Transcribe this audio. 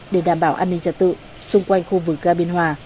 để đảm bảo an ninh trật tự xung quanh khu vực ga biên hòa